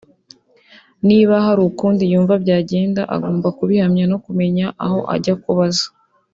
niba hari ukundi yumva byagenda agomba kubihamya no kumenya aho ajya kubaza